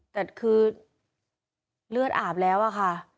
แต่คือเลือดอาบแล้วอะค่ะ